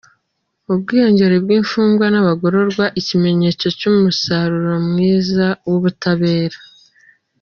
Ubwiyongere bw’imfungwa n’abagororwa, ikimenyetso cy’umusaruro mwiza w’ubutabera.